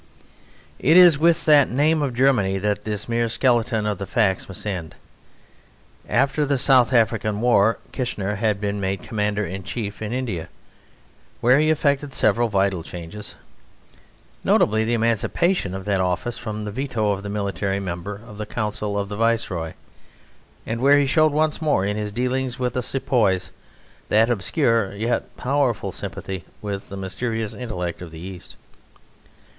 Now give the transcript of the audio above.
It is with that name of Germany that this mere skeleton of the facts must end. After the South African War Kitchener had been made Commander in Chief in India, where he effected several vital changes, notably the emancipation of that office from the veto of the Military Member of the Council of the Viceroy, and where he showed once more, in his dealings with the Sepoys, that obscure yet powerful sympathy with the mysterious intellect of the East.